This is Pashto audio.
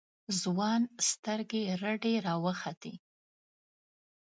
ځوان سترگې رډې راوختې.